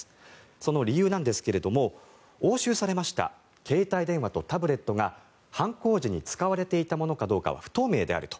その理由なんですけど押収されました携帯電話とタブレットが犯行時に使われていたものであるかどうかは不透明であると。